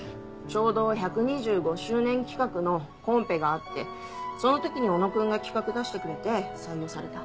ちょうど１２５周年企画のコンペがあってその時に小野君が企画出してくれて採用された。